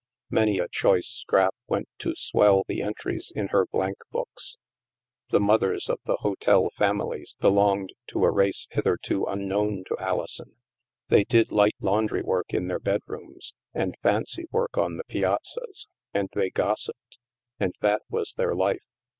Many a choice scrap went to swell the entries in her blank books. The mothers of the hotel families belonged to a race hitherto unknown to Alison. They did light laundry work in their bedrooms and fancy work on the piazzas, and they gossipped ; and that was their life.